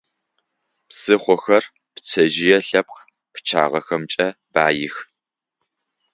Псыхъохэр пцэжъые лъэпкъ пчъагъэхэмкӀэ баих.